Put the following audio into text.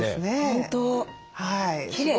本当きれい。